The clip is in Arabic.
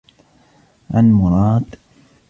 عَنْ مُرَادٍ